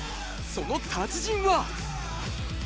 その達人は。